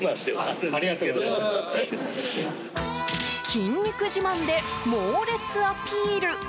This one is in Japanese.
筋肉自慢で猛烈アピール。